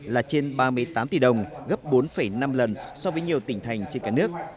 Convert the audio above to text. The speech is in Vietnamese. là trên ba mươi tám tỷ đồng gấp bốn năm lần so với nhiều tỉnh thành trên cả nước